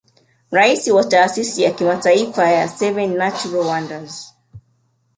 Rais wa taasisi ya Kimataifa ya Seven Natural Wonders